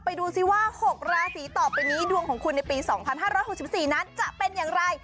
ดูสิว่า๖ราศีต่อไปนี้ดวงของคุณในปี๒๕๖๔นั้นจะเป็นอย่างไร